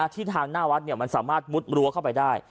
ที่ทางหน้าวัดมันสามารถมุดรั้วเข้าไปได้